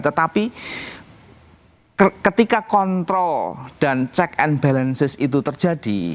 tetapi ketika kontrol dan check and balances itu terjadi